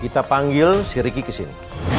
kita panggil si ricky kesini